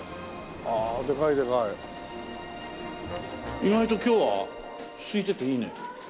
意外と今日はすいてていいね。